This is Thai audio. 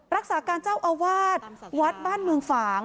รักษาการเจ้าอาวาสวัดบ้านเมืองฝาง